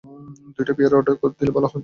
দুইটা বিয়ারের অর্ডার দিলে ভালো হয়।